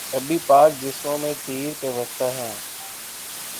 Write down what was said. ابھی پاک جسموں میں تیر پیوستہ ہیں